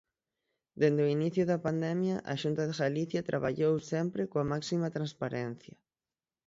Dende o inicio da pandemia a Xunta de Galicia traballou sempre coa máxima transparencia.